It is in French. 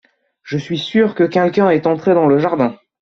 Je suis sûre que quelqu'un est entré dans le jardin.